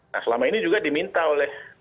nah selama ini juga diminta oleh